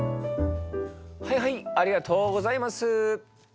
はいはいありがとうございます。